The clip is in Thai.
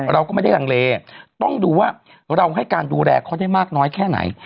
เราก็ไม่ได้รังเลต้องดูว่าเราให้การดูแลเขาได้มากน้อยแค่ไหน